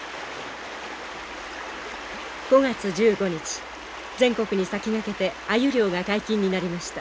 ５月１５日全国に先駆けてアユ漁が解禁になりました。